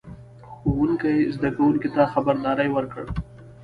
ښوونکي زده کوونکو ته خبرداری ورکړ.